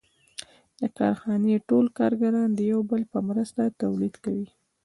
د کارخانې ټول کارګران د یو بل په مرسته تولید کوي